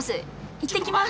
いってきます！